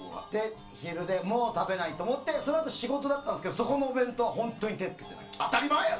昼で、もう食べないと思ってそのあと仕事だったんですがそこのお弁当は当たり前や！